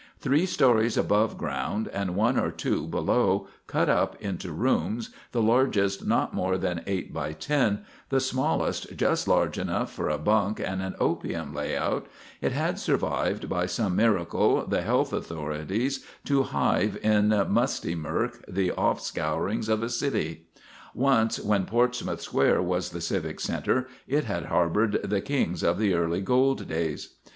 Three stories above ground and one or two below, cut up into rooms, the largest not more than eight by ten, the smallest just large enough for a bunk and an opium layout, it had survived by some miracle the health authorities to hive in musty murk the off scourings of a city. Once, when Portsmouth Square was the civic centre, it had harboured the kings of the early gold days.